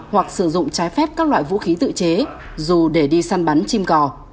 hoặc sử dụng trái phép các loại vũ khí tự chế dù để đi săn bắn chim cò